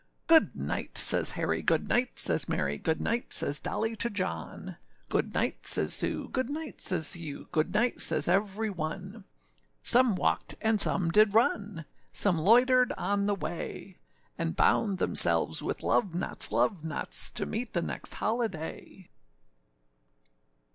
âGood night,â says Harry; âGood night,â says Mary; âGood night,â says Dolly to John; âGood night,â says Sue; âGood night,â says Hugh; âGood night,â says every one. Some walked, and some did run, Some loitered on the way; And bound themselves with love knots, love knots, To meet the next holiday.